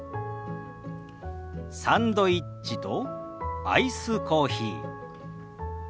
サンドイッチとアイスコーヒー。